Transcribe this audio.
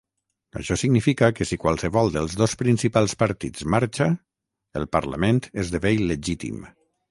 Això significa que si qualsevol dels dos principals partits marxa, el parlament esdevé il·legítim.